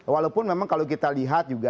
walaupun memang kalau kita lihat juga